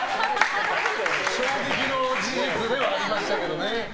衝撃の事実ではありましたけどね。